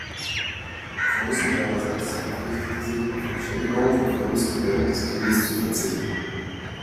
Preußen seinerseits verpflichtete sich, auf Entschädigungen für Verluste während des Krieges zu verzichten.